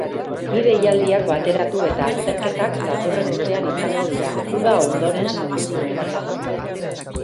Bi deialdiak bateratu eta azterketak datorren urtean izango dira, uda ondoren seguruenera.